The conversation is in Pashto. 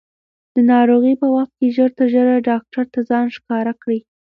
د ناروغۍ په وخت کې ژر تر ژره ډاکټر ته ځان ښکاره کړئ.